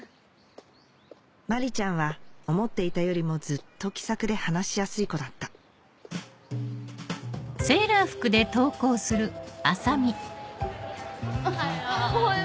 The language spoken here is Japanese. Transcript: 真里ちゃんは思っていたよりもずっと気さくで話しやすい子だったおはよう！